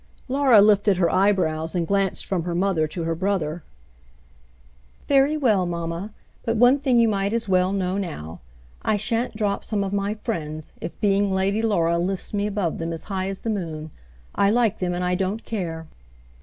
Laura lifted her eyebrows and glanced from her mother to her brother. "Very well, mamma, but one thing you might as well know now. I shan't drop some of my friends — if being Lady Laura lifts me above them as high as the moon. I like them, and I don't care."